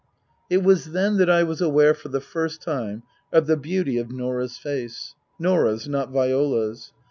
It was then that I was aware for the first time of the beauty of Norah' s face. Norah's, not Viola's.